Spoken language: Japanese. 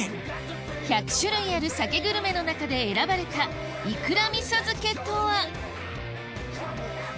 １００種類あるサケグルメの中で選ばれたいくら味噌漬けとは？